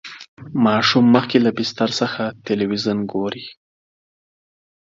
ماشوم مخکې له بستر څخه تلویزیون ګوري.